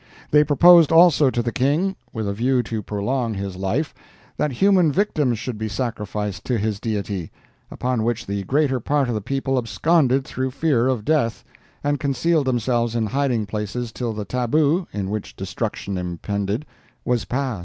They proposed also to the King, with a view to prolong his life, that human victims should be sacrificed to his deity; upon which the greater part of the people absconded through fear of death, and concealed themselves in hiding places till the tabu, in which destruction impended, was past.